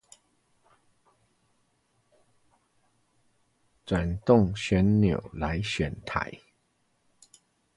轉動旋鈕來選台